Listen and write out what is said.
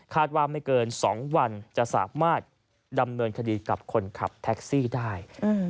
ว่าไม่เกิน๒วันจะสามารถดำเนินคดีกับคนขับแท็กซี่ได้